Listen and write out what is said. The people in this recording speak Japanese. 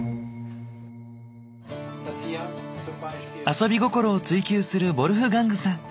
遊び心を追求するヴォルフガングさん。